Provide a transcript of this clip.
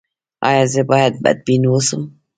ایا زه باید بدبین اوسم؟